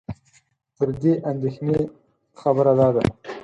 تر دې اندېښنې خبره دا ده